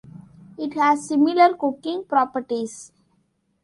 It has similar cooking properties.